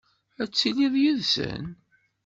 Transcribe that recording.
Ad ttiliɣ yid-sen.